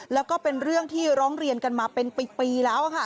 แล้วก็เป็นเรื่องที่ร้องเรียนกันมาเป็นปีแล้วค่ะ